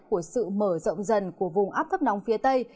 của sự mở rộng dần của vùng áp thấp nóng phía tây